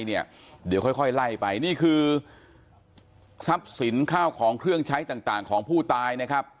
เดี๋ยวค่อยไล่ไปนี่คือทรัพย์สินข้าวของเครื่องใช้ต่างของผู้ตายนะครับ